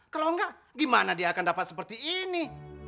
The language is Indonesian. kalau enggak gimana dia akan dapat seperti ini